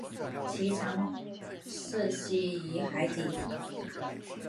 其常栖息于海底。